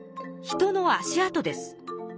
人の足あとです。